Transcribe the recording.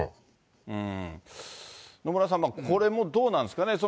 野村さん、これもどうなんですかね。